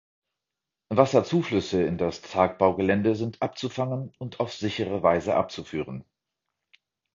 Wasserzuflüsse in das Tagbaugelände sind abzufangen und auf sichere Weise abzuführen.